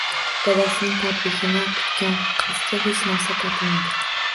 Dadasining tabrigini kutgan qizga hech narsa tatimadi